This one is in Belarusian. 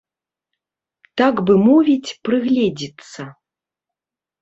Так бы мовіць, прыгледзіцца.